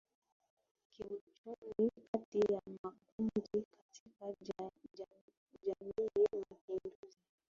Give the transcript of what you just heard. kiuchumi kati ya makundi katika jamii Mapinduzi